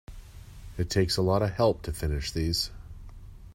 It takes a lot of help to finish these.